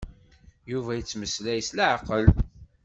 Yuba yettmeslay s leɛqel.